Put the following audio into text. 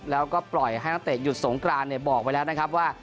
แล้วก็ปล่อยให้นักเตะหยุดสงกรานบอกไปแล้วนะครับว่า